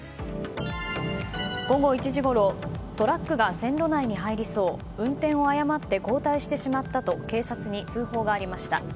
午後１時ごろトラックが線路内に入りそう運転を誤って後退してしまったと警察に通報がありました。